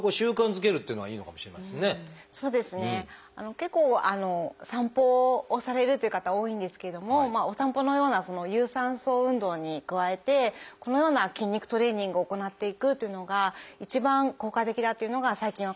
結構あの散歩をされるという方多いんですけれどもお散歩のような有酸素運動に加えてこのような筋肉トレーニングを行っていくというのが一番効果的だというのが最近分かってきました。